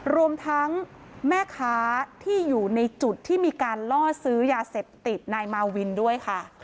รวมทั้งแม่ค้าที่อยู่ในจุดที่มีการล่อซื้อยาเสพติดนายมาวินด้วยค่ะ